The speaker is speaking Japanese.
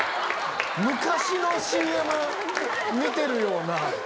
昔のＣＭ見てるような。